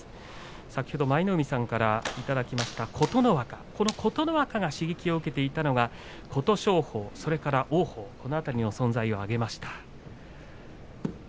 先ほど舞の海さんからいただきました琴ノ若、この琴ノ若が刺激を受けていたのが琴勝峰とそれから王鵬この辺りの存在を挙げました。